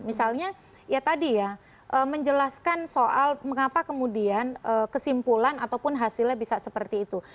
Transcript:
misalnya ya tadi ya menjelaskan soal mengapa kemudian kesimpulan ataupun hasilnya bisa seperti itu